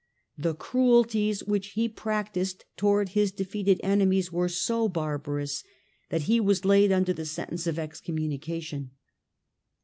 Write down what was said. The cruelties which he practised towards his defeated enemies were so barbarous that he was laid under the sentence of excommunication.